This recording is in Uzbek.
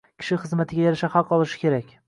Kishi xizmatiga yarasha haq olishi kerak